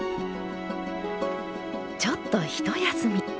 ちょっと一休み。